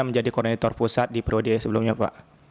menjadi koordinator pusat di periode sebelumnya pak